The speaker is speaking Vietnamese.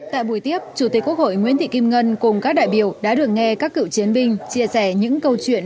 tại buổi tiếp chủ tịch quốc hội nguyễn thị kim ngân cùng các đại biểu đã được nghe các cựu chiến binh chia sẻ những câu chuyện